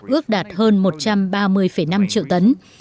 ước đạt hơn một trăm ba mươi năm triệu tấn